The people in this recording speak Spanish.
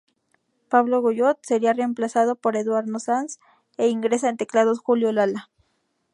Pablo Guyot sería reemplazado por Eduardo Sanz e ingresa en teclados Julio Lala.